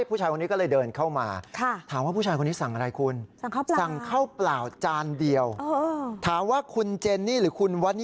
ผู้ชายคนนี้ก็เลยเดินเข้ามาค่ะถามว่าผู้ชายคนนี้สั่งอะไรคุณ